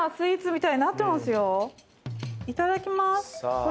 いただきます。